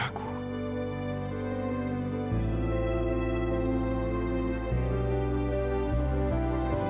ya jangan makasih pak